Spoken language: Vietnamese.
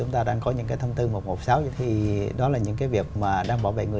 tăng dần theo nhu cầu